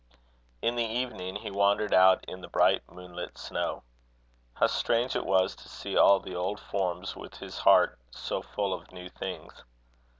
In the evening, he wandered out in the bright moonlit snow. How strange it was to see all the old forms with his heart so full of new things!